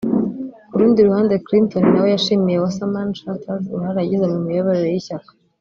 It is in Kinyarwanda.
Ku rundi ruhande Clinton na we yashimiye Wasserman Schultz uruhare yagize mu miyoborere y’ishyaka